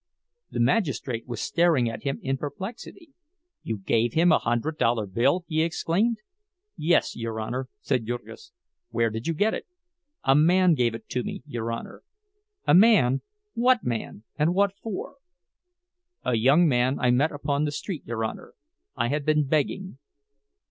The magistrate was staring at him in perplexity. "You gave him a hundred dollar bill!" he exclaimed. "Yes, your Honor," said Jurgis. "Where did you get it?" "A man gave it to me, your Honor." "A man? What man, and what for?" "A young man I met upon the street, your Honor. I had been begging."